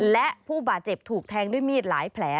และผู้บาดเจ็บถูกแทงด้วยมีดหลายแผล